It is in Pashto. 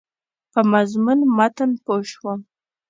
په مضمون متن پوه شوم.